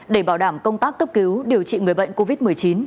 để bảo đảm công tác cấp cứu điều trị người bệnh covid một mươi chín